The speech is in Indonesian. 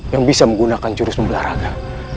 yang bisa menggunakan jurus membelah raga